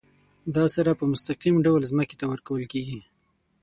دا سره په مستقیم ډول ځمکې ته ورکول کیږي.